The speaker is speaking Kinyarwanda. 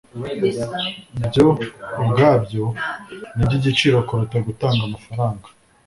byo ubwabyo ni iby’igiciro kuruta gutanga amafaranga